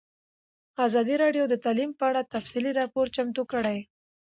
ازادي راډیو د تعلیم په اړه تفصیلي راپور چمتو کړی.